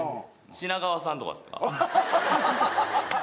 品川さんとかですか？